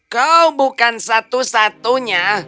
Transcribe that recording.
kau bukan satu satunya